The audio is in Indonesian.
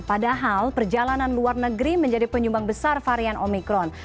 padahal perjalanan luar negeri menjadi penyumbang besar varian omikron